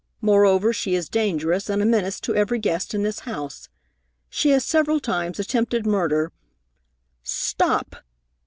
Moreover, she is dangerous and a menace to every guest in this house. She has several times attempted murder " "Stop!"